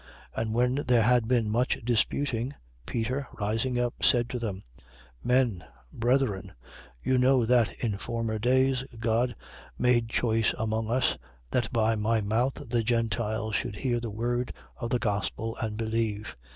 15:7. And when there had been much disputing, Peter, rising up, said to them: Men, brethren, you know that in former days God made choice among us, that by my mouth the Gentiles should hear the word of the gospel and believe.